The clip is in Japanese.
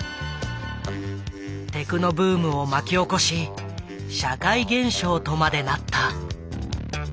テクノブームを巻き起こし社会現象とまでなった。